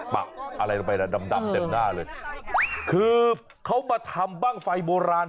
ปักอะไรลงไปนะดำดำเต็มหน้าเลยคือเขามาทำบ้างไฟโบราณ